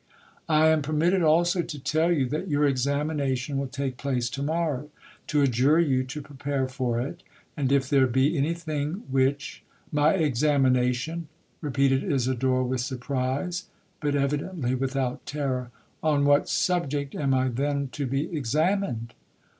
'I am permitted also to tell you that your examination will take place to morrow,—to adjure you to prepare for it,—and, if there be any thing which'—'My examination!' repeated Isidora with surprise, but evidently without terror, 'on what subject am I then to be examined?'